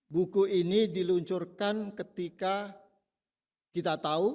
buku ini diluncurkan ketika kita tahu